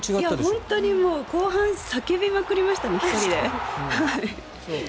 本当に後半叫びまくりました１人で。